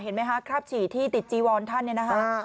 เห็นไหมคะคราบฉี่ที่ติดจีวอนท่านเนี่ยนะฮะ